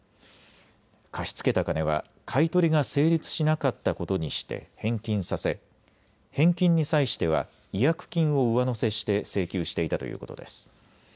貸し付けた金は買い取りが成立しなかったことにして返金させ返金に際しては違約金を上乗せして請求していたということです。